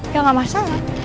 ya gak masalah